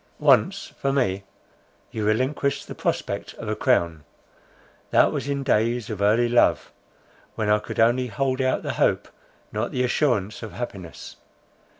Once for me, you relinquished the prospect of a crown. That was in days of early love, when I could only hold out the hope, not the assurance of happiness.